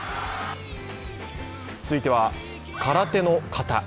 続いては空手の形。